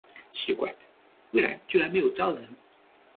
奇怪，微软居然没有招人